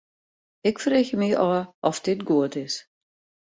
Ik freegje my ôf oft dit goed is.